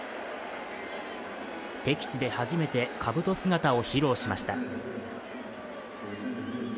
敵地で初めてかぶと姿を披露しました。